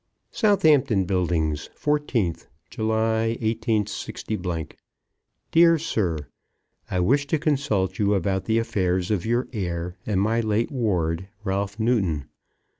Southampton Buildings, 14th July, 186 . DEAR SIR, I wish to consult you about the affairs of your heir and my late ward, Ralph Newton.